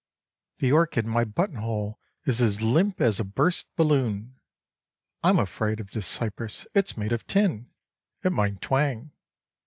The orchid in my buttonhole is as limp as a burst balloon. I'm afraid of this cypress, it's made of tin ! It might twang.